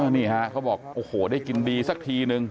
นี่ฮะเขาบอกโอ้โหได้กินดีสักทีนึง